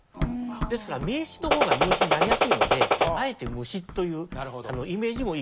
ですから名詞の方が名字になりやすいのであえて虫というイメージもいい言葉に変えたんだと思います。